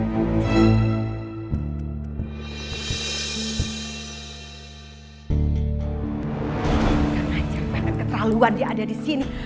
karena cerbangan keterlaluan dia ada di sini